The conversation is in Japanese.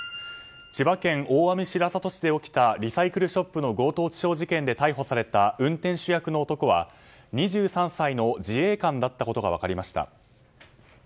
千葉県大網白里市で起きたリサイクルショップの強盗致傷事件で逮捕された運転手役の男は２３歳の自衛官だったことが分かりました。